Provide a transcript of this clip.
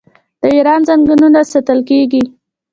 د ایران ځنګلونه ساتل کیږي.